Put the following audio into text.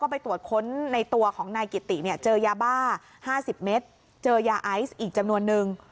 ไปตรวจค้นนายกิตติเจอยาบ้า๕๐เมตรเจอยาไอศ์อีกจำนวลหนึ่ง